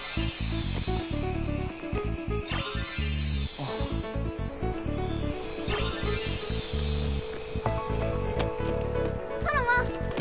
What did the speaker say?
あ！ソノマ！